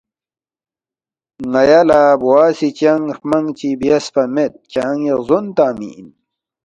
ن٘یا لہ بوا سی چنگ ہرمنگ چی بیاسفا مید کھیان٘ی غزون تنگمی اِن